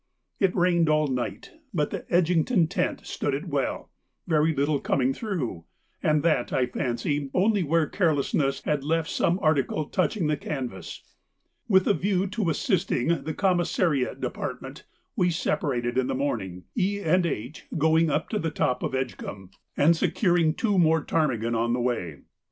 It rained all night, but the Edgington tent stood it well, very little coming through, and that, I fancy, only where carelessness had left some article touching the canvas. With a view to assisting the commissariat department, we separated in the morning, E. and H. going up to the top of Edgcumbe, and securing two more ptarmigan on the way.